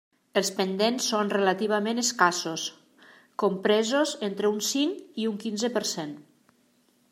Els pendents són relativament escassos, compresos entre un cinc i un quinze per cent.